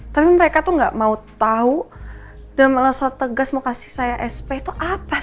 tapi mereka tuh gak mau tahu dan merasa tegas mau kasih saya sp itu apa